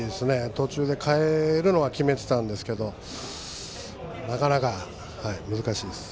途中で代えるのは決めてたんですけどなかなか難しいです。